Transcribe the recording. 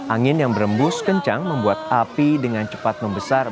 angin yang berembus kencang membuat api dengan cepat membesar